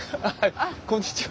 こんにちは。